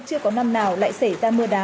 chưa có năm nào lại xảy ra mưa đá